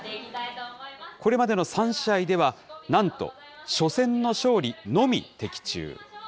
これまでの３試合では、なんと初戦の勝利のみ的中。